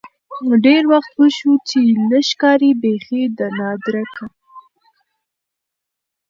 ډېر وخت وشو چې نه ښکارې بيخې ده نادركه.